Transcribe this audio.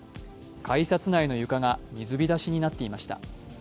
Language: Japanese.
改札内の床が水浸しになっていました。